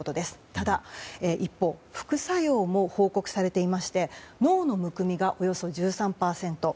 ただ、一方副作用も報告されていまして脳のむくみがおよそ１３％。